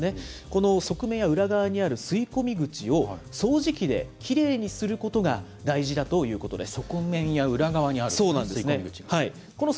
この側面や裏側にある吸い込み口を掃除機できれいにすることが大事だということです。